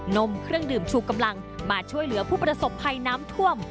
มเครื่องดื่มชูกำลังมาช่วยเหลือผู้ประสบภัยน้ำท่วม